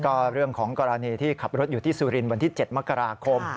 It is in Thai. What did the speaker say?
ก็เรื่องของกรณีที่ขับรถอยู่ที่สุรินวันที่๗มกราคม